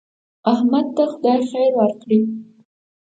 احمد ته خدای خیر ورکړي.